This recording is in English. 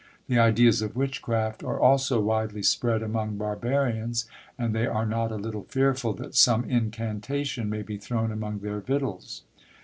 The ideas of witchcraft are also widely spread among barbarians; and they are not a little fearful that some incantation may be thrown among their victuals.